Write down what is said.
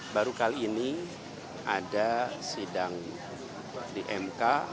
baru kali ini ada sidang di mk